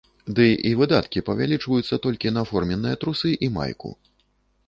Ды і выдаткі павялічваюцца толькі на форменныя трусы і майку.